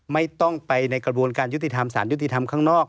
ไม่ต้องไปในกระบวนการยุติธรรมสารยุติธรรมข้างนอก